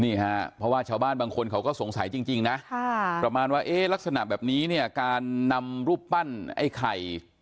นี่ฮะเพราะว่าชาวบ้านบางคนเขาก็สงสัยจริงนะประมาณว่าเอ๊ะลักษณะแบบนี้เนี่ยการนำรูปปั้นไอ้ไข่